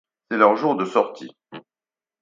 C’est leur jour de sortie.